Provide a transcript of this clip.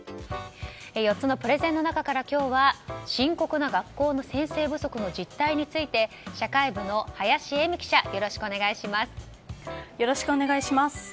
４つのプレゼンの中から今日は深刻な学校の先生不足の実態について社会部の林英美記者よろしくお願いします。